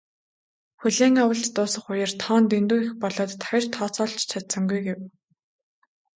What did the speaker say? "Хүлээн авалт дуусах үеэр тоо нь дэндүү их болоод дахиж тооцоолж ч чадсангүй" гэв.